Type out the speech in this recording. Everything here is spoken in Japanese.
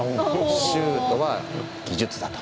シュートは技術だと。